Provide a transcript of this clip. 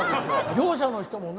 業者の人もね